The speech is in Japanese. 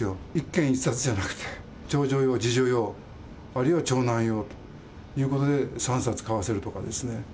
１軒１冊じゃなくて、長女用、次女用、あるいは長男用ということで３冊買わせるとかですね。